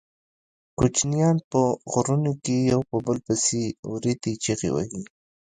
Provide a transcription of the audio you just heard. کوچیان په غرونو کې یو په بل پسې وریتې چیغې وهي.